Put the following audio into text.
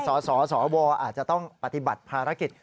สสวอาจจะต้องปฏิบัติภารกิจ